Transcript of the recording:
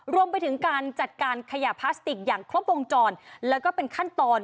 รวมไปถึงการจัดการขยะพลาสติกอย่างครบวงจรแล้วก็เป็นขั้นตอน